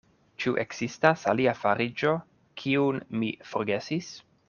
Ĉu ekzistas alia fariĝo, kiun mi forgesis?